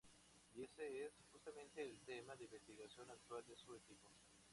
Y ese es, justamente, el tema de investigación actual de su equipo.